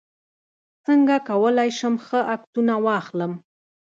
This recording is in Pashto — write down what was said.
څنګه کولی شم ښه عکسونه واخلم